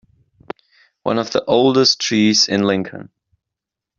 One of the oldest trees in Lincoln.